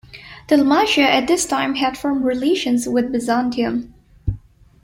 Dalmatia, at this time, had firm relations with Byzantium.